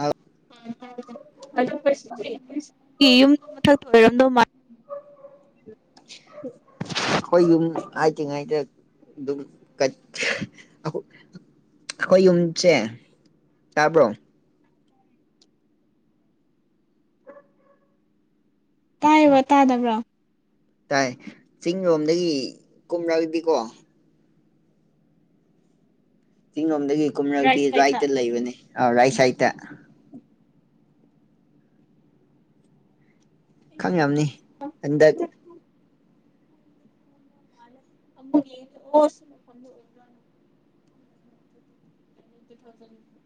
ꯑꯧ ꯌꯨꯝꯗ ꯃꯊꯛꯇ ꯑꯣꯏꯔꯝꯗꯧ ꯃꯥꯜꯂ ꯑꯩꯈꯣꯏ ꯌꯨꯝ ꯍꯥꯏꯇꯤꯉꯩꯗ ꯑꯗꯨꯝ ꯑꯩꯈꯣꯏ ꯌꯨꯝꯁꯦ ꯇꯥꯕ꯭ꯔꯣ ꯇꯥꯏꯕ ꯇꯥꯗꯕ꯭ꯔꯣ ꯇꯥꯏ ꯆꯤꯡ ꯂꯣꯝꯗꯒꯤ ꯀꯨꯝꯔꯛꯑꯗꯤꯀꯣ ꯆꯤꯡꯂꯣꯝꯗꯒꯤ ꯔꯥꯏꯠ ꯀꯨꯝꯔꯛꯑꯗꯤ ꯁꯥꯏꯠꯇ ꯔꯥꯏꯠꯇ ꯂꯩꯕꯅꯦ ꯑ ꯔꯥꯏꯠ ꯁꯥꯏꯠꯇ ꯈꯪꯉꯝꯅꯤ ꯍꯟꯗꯛ ꯌꯦ ꯑꯣꯏ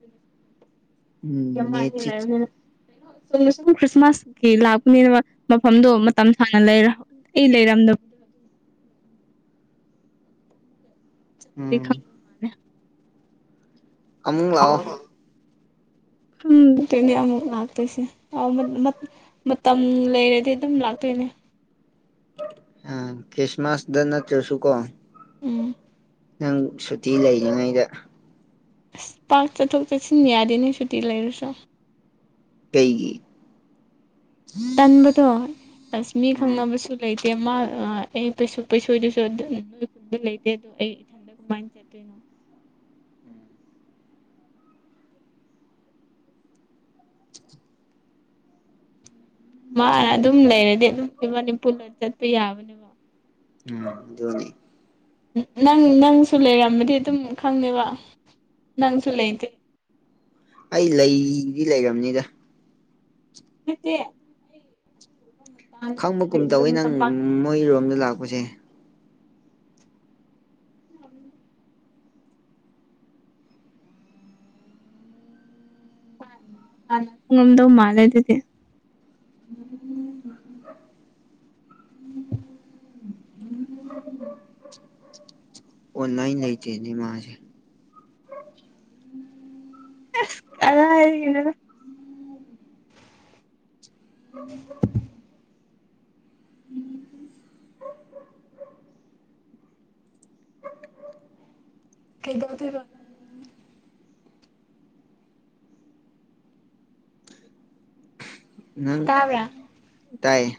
ꯅꯦꯠꯁꯤ ꯌꯥꯝꯃꯥꯅꯤꯂꯩꯕꯅꯤꯅ ꯁꯣꯝꯗ ꯁꯨꯝ ꯈ꯭ꯔꯤꯁꯃꯥꯁꯀꯤ ꯂꯥꯛꯄꯅꯤꯅꯕ ꯃꯐꯝꯗꯣ ꯃꯇꯝ ꯁꯥꯡꯅ ꯂꯩꯔ ꯏ ꯂꯩꯔꯝꯗ ꯌꯥꯒꯅꯤ ꯎꯝ ꯈꯪ [unintelligible] [inaudible] ꯑꯃꯨꯛ ꯂꯥꯛꯑꯣ ꯈꯪꯗꯦꯅꯦ ꯑꯃꯨꯛ ꯂꯥꯛꯇꯣꯏꯁꯦ ꯃꯇꯝ ꯂꯩꯔꯗꯤ ꯑꯗꯨꯝ ꯂꯥꯛꯇꯣꯏꯅꯦ ꯎꯝ ꯈ꯭ꯔꯤꯁꯃꯥꯁꯗ ꯅꯠꯇꯔ꯭ ꯁꯨꯀꯣ ꯎꯝ [unintelligible] [inaudible] ꯅꯪ ꯁꯨꯇꯤ ꯂꯩꯔꯤꯉꯩꯗ ꯑꯁ ꯄꯥꯛ ꯆꯠꯊꯣꯛ ꯆꯠꯁꯤꯟ ꯌꯥꯗꯦꯅꯦ ꯁꯨꯇꯤ ꯂꯩꯔꯁꯨ [inaudible] ꯀꯩꯒꯤ ꯇꯟꯕꯗꯣ ꯑꯁ ꯃꯤ ꯎꯝ ꯈꯪꯅꯕꯁꯨ ꯂꯩꯇꯦ ꯃꯥ ꯑꯩ ꯄꯩꯁ ꯄꯩꯁꯣꯏꯗꯨꯁꯨ ꯂꯩꯇꯦ ꯑꯗꯣ ꯑꯩ ꯏꯊꯟꯗ ꯀꯃꯥꯏꯅ ꯆꯠꯇꯣꯏꯅꯣ ꯃꯥꯅ ꯑꯗꯨꯝ ꯂꯩꯔꯗꯤ ꯑꯗꯨꯝ ꯏꯕꯅꯤ ꯄꯨꯟꯅ ꯆꯠꯄ ꯌꯥꯕꯅꯦꯕ ꯎꯝ ꯑꯗꯨꯅꯤ ꯅꯪ ꯅꯪꯁꯨ ꯂꯩꯔꯝꯃꯗꯤ ꯑꯗꯨꯝ ꯈꯪꯅꯦꯕ ꯅꯪꯁꯨ ꯂꯩꯇꯦ ꯑꯩ ꯂꯩꯗꯤ ꯂꯩꯔꯝꯅꯤꯗ ꯅꯠꯇꯦ ꯅꯪꯗꯤ ꯈꯪꯕꯒꯨꯝ ꯇꯧꯋꯤ ꯑꯗꯨꯝ ꯅꯪ ꯇꯝꯄꯥꯛ ꯃꯣꯏꯔꯣꯝꯗ ꯂꯥꯛꯄꯁꯦ ꯎꯝ ꯍꯥꯟꯅ ꯈꯪꯉꯝꯗꯧ ꯃꯥꯜꯂꯦ ꯑꯗꯨꯗꯤ ꯎꯝ [unintelligible] [inaudible] ꯑꯣꯟꯂꯥꯏꯟ ꯂꯩꯇꯦꯅꯦ ꯃꯥꯁꯦ ꯀꯔꯥꯏꯗꯒꯤꯅꯣꯗ [inaudible] ꯎꯝ [unintelligible] [inaudible] ꯎꯝ [unintelligible] [inaudible] ꯀꯩꯗꯧꯗꯣꯏꯕ ꯅꯪ ꯅꯪ ꯇꯥꯕ꯭ꯔꯥ ꯇꯥꯏꯌꯦ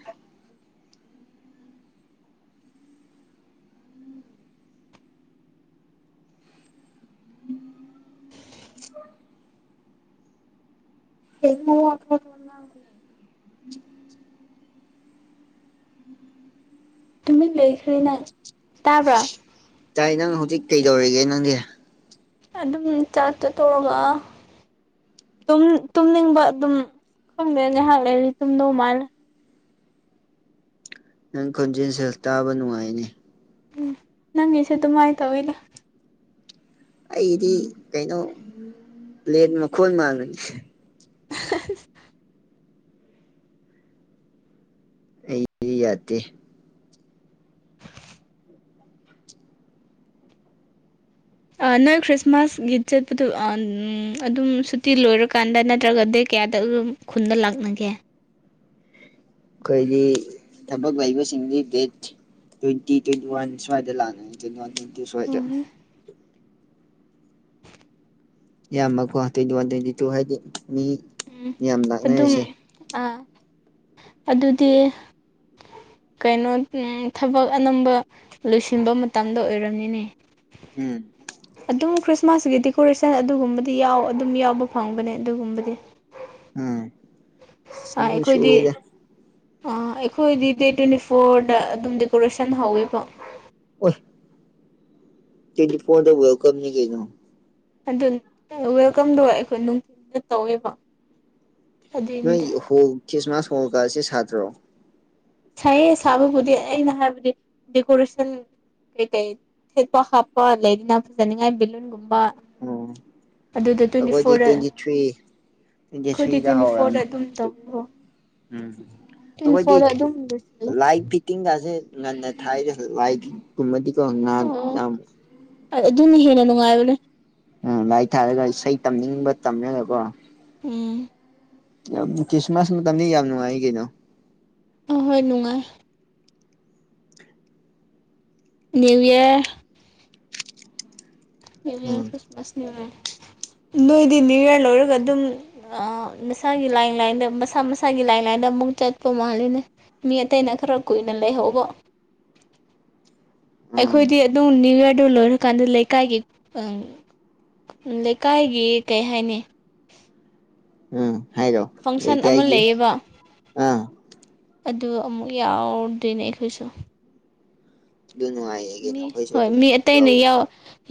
ꯌꯦꯉꯣ ꯑꯅꯦ ꯇꯨꯃꯤꯟ ꯂꯩꯈ꯭ꯔꯦ ꯅꯪ ꯇꯥꯕ꯭ꯔꯥ ꯇꯥꯏ ꯅꯪ ꯍꯧꯖꯤꯛ ꯀꯩꯗꯧꯔꯤꯒꯦ ꯅꯪꯗꯤ ꯑꯗꯨꯝ ꯆꯥꯛꯇꯣ ꯇꯣꯛꯑꯒ ꯇꯨꯝꯅꯤꯡꯕ ꯑꯗꯨꯝ ꯈꯪꯗꯦ ꯉꯥꯏꯍꯥꯛ ꯂꯩꯔꯤ ꯇꯨꯝꯗꯧ ꯃꯥꯜꯂꯦ ꯅꯪ ꯈꯣꯟꯖꯦꯜ ꯁꯦ ꯇꯥꯕ ꯅꯨꯡꯉꯥꯏꯅꯦ ꯎꯝ ꯅꯪꯒꯤꯁꯨꯦ ꯑꯗꯨꯃꯥꯏꯅ ꯇꯧꯏꯤꯅꯦ ꯑꯩꯗꯤ ꯀꯩꯅꯣ ꯄ꯭ꯂꯦꯟ ꯃꯈꯣꯜ ꯃꯥꯡꯂꯅꯤꯁꯦ ꯑꯍ ꯍ ꯑꯩ ꯌꯥꯗꯦ ꯅꯣꯏ ꯈ꯭ꯔꯤꯁꯃꯥꯁꯒꯤ ꯆꯠꯄꯗꯨ ꯑꯗꯨꯝ ꯁꯨꯇꯤ ꯂꯣꯏꯔꯀꯥꯟꯗ ꯅꯠꯇ꯭ꯔꯒ ꯗ ꯀꯌꯥꯗ ꯑꯗꯨꯝ ꯈꯨꯟꯗ ꯂꯥꯛꯅꯒꯦ ꯑꯩꯈꯣꯏꯒꯤ ꯊꯕꯛ ꯂꯩꯕꯁꯤꯡꯗꯤ ꯗꯦꯠ ꯇ꯭ꯋꯦꯟꯇꯤ ꯇ꯭ꯋꯦꯟꯤ ꯋꯥꯟ ꯁ꯭ꯋꯥꯏꯗ ꯂꯥꯛ꯭ꯋ ꯋꯥ ꯇ꯭ꯋꯦꯟꯇ ꯁ꯭ꯋꯥꯏꯗ ꯎꯝ ꯏꯌꯥꯝꯕꯀꯣ ꯇ꯭ꯋꯦꯟꯇꯤ ꯋꯥꯟ ꯇ꯭ꯋꯦꯟꯇꯤ ꯇꯨ ꯍꯥꯏꯗꯤ ꯃꯤ ꯃꯌꯥꯝ ꯑꯗꯨꯝ ꯂꯥꯛꯅꯔꯤꯁꯦ ꯑꯗꯨꯗꯤ ꯀꯩꯅꯣ ꯊꯕꯛ ꯑꯅꯝꯕ ꯂꯣꯏꯁꯤꯟꯕ ꯃꯇꯝꯗ ꯑꯣꯏꯔꯝꯅꯤꯅꯦ ꯎꯝ ꯑꯗꯨꯝ ꯈ꯭ꯔꯤꯁꯃꯥꯁꯀꯤ ꯗꯦꯀꯣꯔꯦꯁꯟ ꯑꯗꯨꯒꯨꯝꯕꯗꯤ ꯌꯥꯎ ꯑꯗꯨꯝ ꯌꯥꯎꯕ ꯐꯪꯕꯅꯦ ꯑꯗꯨꯒꯨꯝꯕꯗꯤ ꯎꯝ ꯑꯗꯨꯝ ꯁꯨ ꯑꯩꯈꯣꯏꯗꯤ ꯑꯣꯏꯗ ꯑ ꯑꯩꯈꯣꯏꯗꯤ ꯗꯦꯠ ꯇ꯭ꯋꯦꯟꯇꯤ ꯐꯣꯔꯗ ꯑꯗꯨꯝ ꯗꯦꯀꯣꯔꯦꯁꯟ ꯍꯧꯋꯦꯀꯣ ꯇꯗꯤ ꯐꯣꯟꯗ ꯋꯦꯜꯀꯝꯅꯤ ꯀꯩꯅꯣ ꯑꯗꯨ ꯋꯦꯜꯀꯝꯗꯣ ꯑꯩꯈꯣꯏ ꯅꯨꯡꯊꯤꯜꯗ ꯇꯧꯋꯦꯕ ꯅꯣꯏ ꯑꯗꯨꯏꯅꯤꯗ ꯍꯣ ꯈ꯭ꯔꯤꯁꯃꯥꯁ ꯍꯣꯜꯒꯁꯤꯦ ꯁꯥꯠꯇ꯭ꯔꯣ ꯁꯥꯏꯌꯦ ꯁꯥꯕꯕꯨꯗꯤ ꯑꯩꯅ ꯍꯥꯏꯕꯗꯤ ꯗꯦꯀꯣꯔꯦꯁꯟ ꯀꯩ ꯀꯩ ꯊꯦꯠꯄ ꯍꯥꯞꯄ ꯂꯩꯅꯤꯅ ꯐꯖꯅꯤꯉꯥꯏ ꯕꯦꯂꯨꯟꯒꯨꯝꯕ ꯑꯣ ꯑꯗꯨꯗ ꯇ꯭ꯋꯦꯟꯇꯤ ꯑꯒꯋꯥꯖꯤ ꯐꯣꯔꯗ ꯇ꯭ꯋꯦꯟ ꯊ꯭ꯔꯤ ꯑꯩꯈꯣꯏꯗꯤ ꯦꯁꯔꯤꯗ ꯇ꯭ꯋꯦꯟꯇꯤ ꯐꯣꯔꯗ ꯍꯧꯥꯎꯔꯝꯅꯤ ꯑꯗꯨꯝ ꯇꯧꯋꯦꯕ ꯎꯝ ꯇ꯭ꯋꯦꯟꯇꯤ ꯑꯩꯈꯣꯏꯗꯤ ꯐꯣꯔꯗ ꯑꯗꯨꯝ ꯂꯣꯏꯁꯤꯜꯂꯦ ꯂꯥꯏ ꯐꯤꯇꯤꯡꯒꯥꯁꯦ ꯉꯟꯅ ꯊꯥꯏꯗ ꯂꯥꯏꯒꯨꯝꯕꯗꯤꯀꯣ ꯉꯥꯟ ꯑꯣ ꯌꯥꯝ ꯑꯗꯨꯅ ꯍꯦꯟꯅ ꯅꯨꯡꯉꯥꯏꯕꯅꯦ ꯎꯝ ꯂꯚꯥꯏ ꯊꯥꯔꯒ ꯏꯁꯩ ꯇꯝꯅꯤꯡꯕ ꯇꯝꯅꯦꯔꯀꯣ ꯎꯝ ꯀ꯭ꯔꯤꯁꯃꯁ ꯅ ꯇꯝꯅꯤ ꯌꯥꯝ ꯅꯨꯡꯉꯥꯏ ꯀꯅꯣ ꯑꯍꯣꯏ ꯅꯨꯡꯉꯥꯏ ꯅꯅꯤꯌꯨ ꯏꯔ ꯅ꯭ꯌꯨ ꯏꯌꯥꯔ ꯎꯝ ꯈ꯭ꯔꯤꯁꯃꯥꯁ ꯅꯅꯤꯌꯨ ꯏꯔ ꯅꯣꯏꯗꯤ ꯅꯅꯤꯌꯨ ꯏꯌꯥꯔ ꯂꯣꯏꯔꯒ ꯑꯗꯨꯝ ꯃꯁꯥꯒꯤ ꯂꯥꯏꯟ ꯂꯥꯏꯟꯗ ꯃꯁꯥ ꯃꯁꯥꯒꯤ ꯂꯥꯏꯟ ꯂꯥꯏꯟꯗ ꯑꯃꯨꯛ ꯆꯠꯄ ꯃꯥꯜꯂꯤꯅꯦ ꯃꯤ ꯑꯇꯩꯅ ꯈꯔ ꯀꯨꯏꯅ ꯂꯩꯍꯧꯕ ꯎꯝ ꯑꯩꯈꯣꯏꯗꯤ ꯑꯗꯨꯝ ꯅꯅꯤꯌꯨ ꯌꯔꯗ ꯂꯣꯏꯔꯀꯥꯟꯗ ꯂꯩꯀꯥꯏꯒꯤ ꯂꯩꯀꯥꯏꯒꯤ ꯀꯩ ꯍꯥꯏꯅꯤ ꯎꯝ ꯍꯥꯏꯒꯣ ꯐꯪꯁꯟ ꯑꯃ ꯂꯩꯌꯦꯕ ꯑꯥ ꯑꯗꯨ ꯑꯃꯨꯛ ꯌꯥꯎꯗꯦꯅꯦ ꯑꯩꯈꯣꯏꯁꯨ ꯌꯅ ꯍꯥꯏ [unintelligible] [inaudible] ꯃꯤ ꯍꯣꯏ ꯃꯤ ꯑꯇꯩ ꯑꯅ ꯌꯥ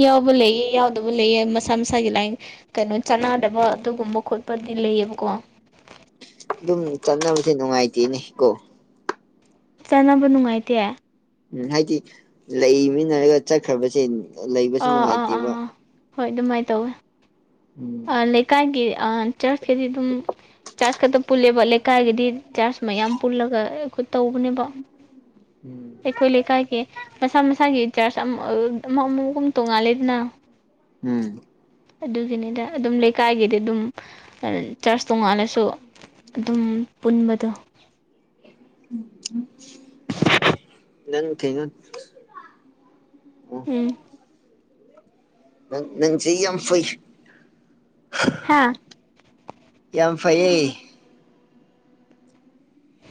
ꯌꯥꯎꯕ ꯂꯩꯌꯦ ꯌꯥꯎꯗꯕ ꯂꯩꯌꯦ ꯃꯁꯥ ꯃꯁꯥꯒꯤ ꯂꯥꯏ ꯀꯩꯅꯣ ꯆꯥꯅꯗꯕ ꯑꯗꯨꯒꯨꯝꯕ ꯈꯣꯠꯄꯗꯤ ꯂꯩꯌꯦꯕꯀꯣ ꯑꯗꯨꯝ ꯆꯠꯅꯕꯁꯦ ꯅꯨꯡꯉꯥꯏꯇꯦꯅꯦ ꯀꯣ ꯆꯥꯟꯅꯕ ꯅꯨꯡꯉꯥꯏꯇꯦ ꯎꯝ ꯍꯥꯏꯗꯤ ꯂꯩꯃꯤꯟꯅꯔꯒ ꯆꯠꯈ꯭ꯔꯕꯁꯦ ꯂꯩꯕꯁꯨ ꯑꯥ ꯑꯥ ꯑꯥ ꯅꯨꯡꯉꯥꯏꯇꯦꯕ ꯑꯥ ꯍꯣꯏ ꯑꯗꯨꯃꯥꯏꯅ ꯇꯧꯋꯦ ꯎꯝ ꯀꯒꯤ ꯆꯥꯔꯖꯀꯤꯗꯤ ꯑꯗꯨꯝ ꯆꯥꯔꯖ ꯈꯛꯇ ꯄꯨꯜꯂꯦꯕ ꯂꯩꯀꯥꯏꯒꯤꯗꯤ ꯆꯥꯔꯖ ꯃꯌꯥꯝ ꯄꯨꯜꯂꯒ ꯑꯈ ꯇꯧꯕꯅꯦꯕ ꯎꯝ ꯑꯩꯈꯣꯏ ꯂꯩꯀꯥꯏꯒꯤ ꯃꯁꯥ ꯃꯁꯥꯒꯤ ꯆꯔꯁ ꯑꯃ ꯑꯃꯒꯨꯝ ꯇꯣꯡꯉꯥꯂꯦꯗꯅ ꯎꯝ ꯑꯗꯨꯒꯤꯅꯤꯗ ꯑꯗꯨꯝ ꯂꯩꯀꯥꯏꯒꯤꯗꯤ ꯑꯗꯨꯝ ꯆꯔꯁ ꯇꯣꯡꯉꯥꯟꯜꯂꯁꯨ ꯑꯗꯨꯝ ꯄꯨꯟꯕꯗꯣ ꯅꯪ ꯊꯩꯅꯣ ꯑꯣ ꯎꯝ ꯅꯪꯁꯦ ꯌꯥꯝ ꯐꯩ ꯍꯥꯥ ꯌꯥꯝ ꯐꯩꯌꯦ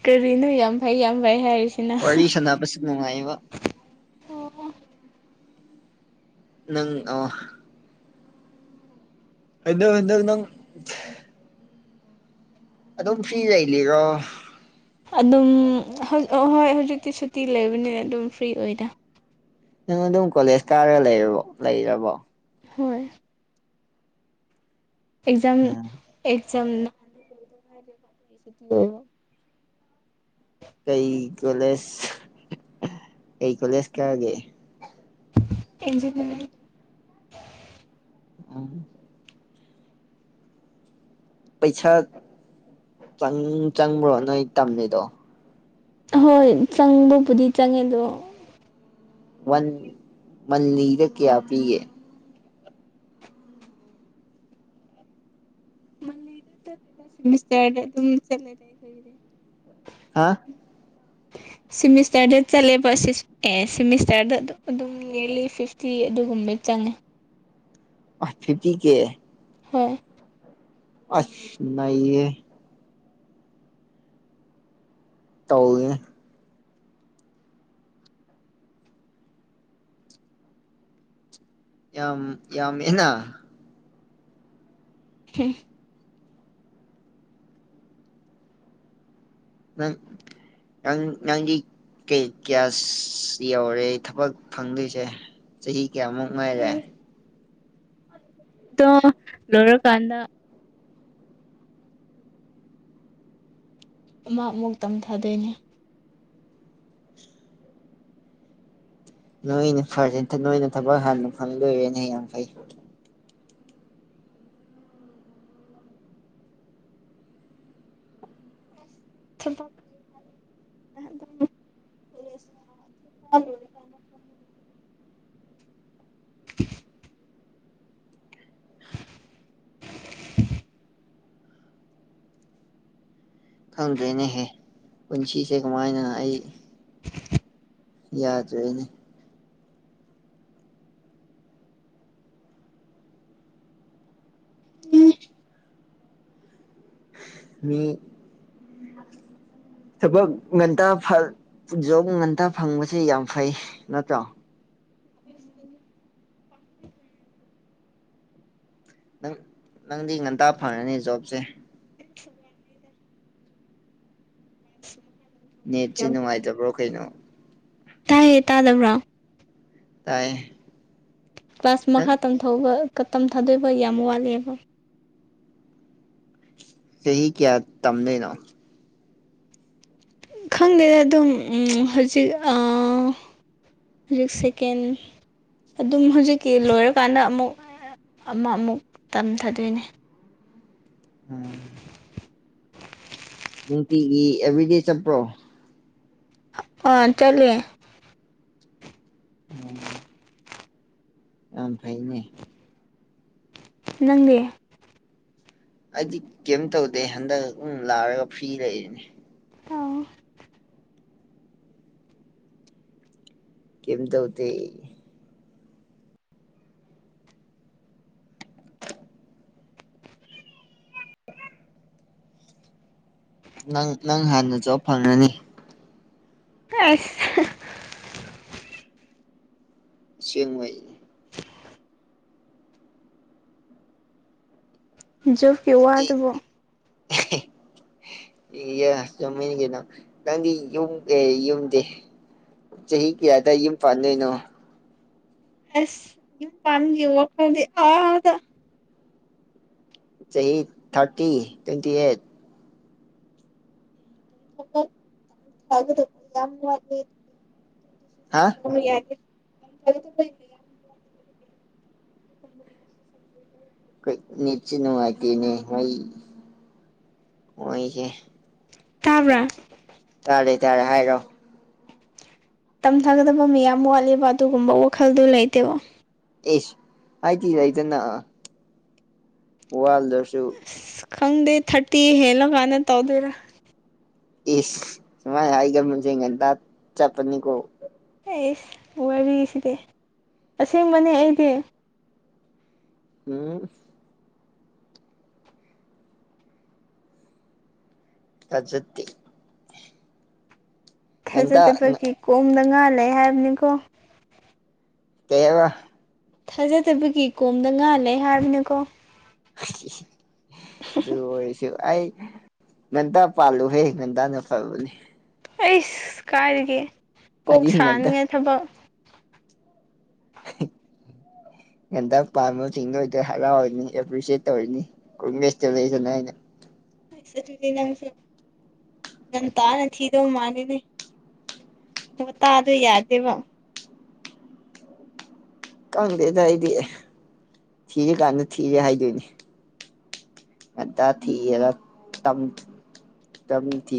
ꯀꯔꯤꯅꯣ ꯌꯥꯝ ꯐꯩ ꯌꯥꯝ ꯐꯩ ꯍꯥꯏꯔꯤꯁ ꯋꯥꯔꯤ ꯁꯥꯟꯅꯕꯁꯨ ꯅꯨꯡꯉꯥꯏꯕ ꯅꯪ ꯑꯣ ꯍꯟꯗꯛ ꯍꯟꯗꯛ ꯅꯪ ꯑꯗꯨꯝ ꯐ꯭ꯔꯤ ꯂꯩꯂꯤꯔꫭ ꯑꯗꯨꯝ ꯍꯣꯏ ꯍꯧꯖꯤꯛꯇꯤ ꯁꯨꯇꯤ ꯂꯩꯕꯅꯤꯅ ꯑꯗꯨꯝ ꯐ꯭ꯔꯤ ꯑꯣꯏꯗ ꯅꯪ ꯑꯗꯨꯝ ꯀꯣꯂꯦꯖ ꯀꯥꯔꯒ ꯂꯩꯔꯕꯣ ꯂꯩꯔꯕꯣ ꯍꯣꯏ ꯑꯦꯖꯝ ꯎꯝ ꯑꯦꯖꯝ [unintelligible] ꯑꯗꯨꯒꯤ ꯁꯨꯇꯤ ꯑꯣꯢꯕ ꯀꯩ ꯀꯣꯂꯦꯖ ꯀꯩ ꯀꯣꯂꯦꯖ ꯀꯥꯒꯦ ꯏꯟꯖꯤꯅꯔꯤ ꯑꯣ ꯄꯩꯁꯥ ꯆꯪ ꯆꯪꯕ꯭ꯔꯣ ꯅꯣꯏ ꯇꯝꯃꯤꯗꯣ ꯑꯍꯣꯏ ꯆꯪꯕꯕꯨꯗꯤ ꯆꯪꯉꯦ ꯑꯗꯣ ꯋꯥꯟ ꯃꯟꯂꯤꯗ ꯀꯌꯥ ꯄꯤꯒꯦ ꯃꯟꯂꯤꯗ ꯅꯠꯇꯦꯗ ꯁꯦꯃꯤꯁꯇꯔꯗ ꯑꯗꯨꯝ ꯆꯠꯂꯦꯗ ꯑꯩꯈꯣꯏꯒꯤꯗꯤ ꯍꯥ ꯁꯤꯃꯤꯁꯇꯔꯗ ꯆꯠꯂꯦꯕ ꯁꯤꯁ ꯑꯦ ꯁꯤꯃꯤꯁꯇꯔꯗ ꯑꯗꯨ ꯑꯗꯨꯝ ꯅꯤꯌꯔꯂꯤ ꯐꯤꯐꯇꯤ ꯑꯗꯨꯒꯨꯝꯕꯩ ꯆꯪꯉꯦ ꯐꯤꯞꯇꯤ ꯀꯦ ꯍꯣꯏ ꯑꯁ ꯅꯩꯍꯦ [unintelligible] ꯌꯥꯝ ꯌꯥꯝꯃꯦꯅ [unintelligible] ꯅꯪ ꯅ ꯅꯪꯗꯤ ꯀꯩ ꯌꯧꯔꯦ ꯊꯕꯛ ꯐꯪꯗꯣꯏꯁꯦ ꯆꯍꯤ ꯀꯌꯥꯃꯨꯛ ꯉꯥꯏꯔꯦ ꯑꯗꯢ ꯂꯣꯢꯔ ꯀꯥꯟꯗ ꯑꯃ ꯑꯃꯨꯛ ꯇꯝꯊꯥꯗꯣꯏꯅꯦ ꯅꯣꯏꯅ ꯐꯖꯇ ꯅꯣꯏꯅ ꯊꯕꯛ ꯍꯥꯟꯅ ꯐꯪꯗꯣꯏꯔꯦꯅ ꯌꯥꯝ ꯐꯩ ꯊꯕꯛ [inaudible] [inaudible] [inaudible] ꯈꯪꯗ꯭ꯔꯦꯅꯦꯍꯦ ꯄꯨꯟꯁꯤꯁꯦ ꯀꯃꯥꯏꯅ ꯑꯩ ꯌꯥꯗ꯭ꯔꯦꯅꯦ ꯃꯤ ꯊꯕꯛ ꯉꯟꯇ ꯐ ꯖꯣꯕ ꯉꯟꯇ ꯐꯪꯕꯁꯦ ꯌꯥꯝ ꯐꯩ ꯅꯠꯇꯣ [inaudible] ꯅꯪ ꯅꯪꯗꯤ ꯉꯟꯇꯥ ꯐꯔꯅꯤ ꯖꯣꯕꯁꯦ [inaudible] ꯅꯦꯠꯁꯦ ꯅꯨꯡꯉꯥꯏꯇꯕ꯭ꯔꯣ ꯀꯩꯅꯣ ꯇꯥꯏꯌꯦ ꯇꯥꯗꯕ꯭ꯔꯥ ꯇꯥꯏꯌꯦ ꯀ꯭ꯂꯥꯁ ꯃꯈꯥ ꯇꯝ ꯊꯧꯕ ꯇꯝ ꯊꯥꯗꯣꯏꯕ ꯌꯥꯝ ꯋꯥꯠꯂꯦꯕ ꯆꯍꯤ ꯀꯌꯥ ꯇꯝꯗꯅꯣ ꯈꯪꯗꯦ ꯑꯗꯨꯝ ꯍꯧꯖꯤꯛ ꯑꯥ ꯍꯧꯖꯤꯛ ꯁꯦꯀꯦꯟ ꯑꯗꯨꯝ ꯍꯧꯖꯤꯛꯀꯤ ꯂꯣꯏꯔꯀꯥꯟꯗ ꯑꯃꯨꯛ ꯑꯃ ꯑꯃꯨꯛ ꯇꯝꯊꯗꯣꯏꯅꯤ ꯎꯝ ꯅꯨꯡꯇꯤꯒꯤ ꯑꯦꯕ꯭ꯔꯤꯗꯦ ꯆꯠꯄ꯭ꯔꯣ ꯑ ꯆꯂꯦ ꯎꯝ ꯑ ꯐꯥꯏꯅꯦ ꯅꯪꯗꯤ ꯑꯩꯗꯤ ꯀꯩꯝ ꯇꯧꯗꯦ ꯍꯟꯗꯛ ꯂꯥꯛꯔꯒ ꯐ꯭ꯔꯤ ꯂꯩꯔꯤꯅꯤ ꯀꯦꯝ ꯇꯧꯗꯦ ꯅꯪ ꯅꯪ ꯍꯥꯟꯅ ꯖꯣꯕ ꯐꯪꯉꯅꯤ ꯑꯥꯏ ꯍ ꯁꯦꯡꯕꯩ ꯖꫭ ꯑꯍꯦ ꯍꯦ ꯆꯨꯝꯃꯤꯟ ꯀꯅꯣ ꯅꯪꯗꯤ ꯌꯨꯝ ꯌꯨꯝꯗꯤ ꯆꯍꯤ ꯀꯌꯥ ꯗ ꯌꯨꯝ ꯐꯥꯥꯟꯗꯣꯏꯅꯣ ꯑꯁ ꯌꯨꯝ ꯄꯥꯟꯕꯒꯤ ꯋꯥꯈꯂꯣꯟꯗꯤ ꯑꯥꯗ ꯆꯍꯤ ꯑꯩ ꯊꯥꯔꯇꯤ ꯇ꯭ꯋꯦꯟꯇꯤ ꯑꯩꯠ ꯊ ꯌꯥ [unintelligible] ꯍꯥ ꯁ ꯌꯥ [unintelligible] ꯑꯗꯨꯁꯗ꯭ꯔꯦ ꯀꯅꯤꯆ ꯅꯨꯡꯉꯥꯏꯇꯅꯦ ꯃ ꯑꯣꯏꯣꯏꯁꯦ ꯇꯥꯕ꯭ꯔꯥ ꯇꯥꯔꯦ ꯇꯥꯔꯦ ꯍꯥꯏꯔꯣ ꯇꯝꯊꯥꯒꯗꯕ ꯃꯌꯥꯝ ꯋꯥꯠꯂꯤꯕ ꯑꯗꯨꯒꯨꯝꯕ ꯋꯥꯈꯜꯗꯨ ꯂꯩꯇꯦꯕ ꯑꯦꯁ ꯍꯥꯏꯗꯤ ꯂꯩꯗꯅ ꯋꯥꯜꯗꯔꯁꯨ ꯑꯁ ꯈꯪꯗꯦ ꯊꯥꯔꯇꯤ ꯍꯦꯜꯂ ꯀꯥꯟꯗ ꯇꯧꯗꯣꯏꯔꯥ ꯏꯁ ꯁꯨꯃꯥꯏ ꯍꯥꯏꯒꯁꯦ ꯉꯟꯗ ꯆꯠꯄꯅꯤꯀꯣ ꯑꯩꯁ ꯋꯥꯔꯤꯁꯤꯗꯤ ꯑꯁꯦꯡꯕꯅꯦ ꯑꯩꯗꯤ ꯎꯝ ꯀꯖꯛꯇꯦ ꯉꯟꯇꯥ ꯊꯥꯖꯗꯕꯒꯤ ꯀꯣꯝꯗ ꯉꯥ ꯂꯩ ꯍꯥꯏꯕꯅꯤꯀꯣ ꯀꯩ ꯍꯥꯏꯕ ꯊꯥꯖꯗꯕꯒꯤ ꯀꯣꯝꯗ ꯉꯥꯜꯂꯦ ꯍꯥꯏꯕꯅꯤꯀꯣ ꯁꯤꯁꯤꯁꯤ ꯑꯗꯨ ꯑꯣꯏꯁꯨ ꯑꯩ ꯉꯟꯇꯥ ꯄꯥꯜꯂꯨꯍꯦ ꯉꯟꯗꯥꯅ ꯐꯕꯅꯦ ꯑꯩ ꯀꯥꯏꯗꯒꯤ ꯀꯣꯛ ꯍꯥꯏꯗꯤ ꯉꯟꯇꯥ ꯁꯥꯅꯤꯡꯉꯥꯏ ꯊꯕꯛ ꯍꯤ ꯉꯟꯗꯛ ꯄꯥꯝꯕꯁꯤꯡꯗꯣ ꯑꯣꯏꯗ ꯍꯔꯥꯎꯔꯅꯤ ꯑꯦꯄ꯭ꯔꯤꯁꯌꯦꯠ ꯇꯧꯔꯅꯤ ꯀꯣꯡꯒꯦꯁꯇ ꯂꯩꯗꯅ ꯑꯩꯅ ꯑꯗꯨꯗꯤ ꯅꯁꯨ ꯉꯟꯇꯥ ꯅ ꯊꯤꯗꯧ ꯃꯥꯜꯂꯤꯅꯦ ꯑꯣ ꯇꯥꯗ ꯌꯥꯗꯦꯕ ꯈꯪꯗꯦꯗ ꯑꯩꯗꯤ ꯊꯤꯔ ꯀꯥꯟꯗ ꯊꯤꯔꯦ ꯍꯥꯏꯗꯣꯏꯅꯦ ꯉꯟꯇꯥ ꯊꯤꯒꯦꯔ ꯇꯝꯊꯤ